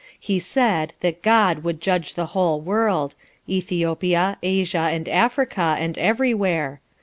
he said, that GOD would judge the whole world; Ethiopia, Asia, and Africa, and every where.